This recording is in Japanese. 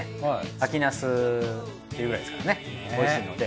秋ナスっていうくらいですからねおいしいので。